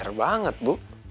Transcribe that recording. r banget bu